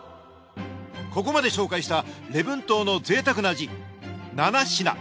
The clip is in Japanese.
ここまで紹介した礼文島のぜいたくな味７品。